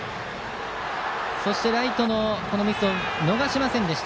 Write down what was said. そしてライトのミスを逃しませんでした。